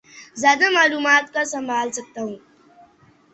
زیادہ معلومات کا سنبھال سکتا ہوں